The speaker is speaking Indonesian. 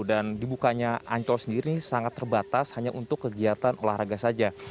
dan dibukanya ancol sendiri sangat terbatas hanya untuk kegiatan olahraga saja